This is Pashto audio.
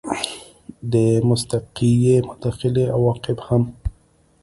د مستقیې مداخلې عواقب هم